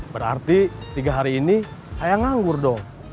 berarti tiga hari ini saya nganggur dong